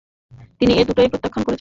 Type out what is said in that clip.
তিনি এ দুটিকেই প্রত্যাখ্যান করেন।